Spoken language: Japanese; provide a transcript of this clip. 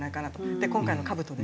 で今回の兜でしょ。